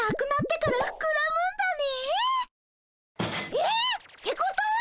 えっ！？ってことは！？